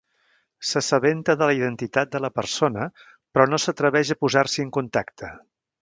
S'assabenta de la identitat de la persona, però no s'atreveix a posar-s'hi en contacte.